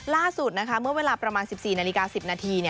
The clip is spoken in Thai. ล่าสุดเมื่อเวลาประมาณ๑๔นาฬิกา๑๐นาที